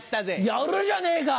やるじゃねえか。